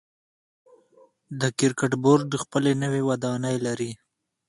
د کرکټ بورډ خپل نوی ودانۍ لري.